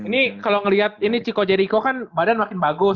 ini kalau melihat ini chico jeriko kan badan makin bagus